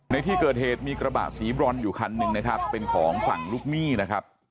ในที่เกิดเหตุมีกระบะสีบรอนอยู่คันหนึ่งนะครับเป็นของฝั่งลูกหนี้นะครับ